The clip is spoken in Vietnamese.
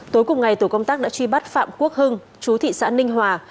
tối cùng ngày tổ công tác đã truy bắt phạm quốc hưng chú thị xã ninh hòa